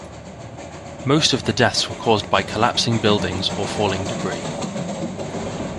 Most of the deaths were caused by collapsing buildings or falling debris.